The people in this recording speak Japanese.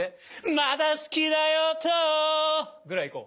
「まだ好きだよと！」ぐらい行こう。